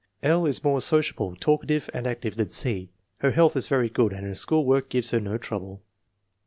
L. is more sociable, talkative, and active than C. Her health is very good and her school work gives her no trouble.